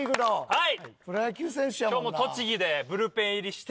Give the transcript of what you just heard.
はい。